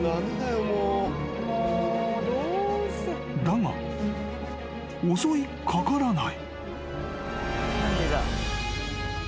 ［だが襲い掛からない］